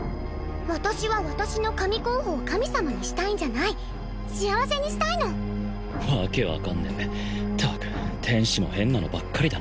私は私の神候補を神様にしたいんじゃない幸せにしたいの訳分かんねったく天使も変なのばっかりだ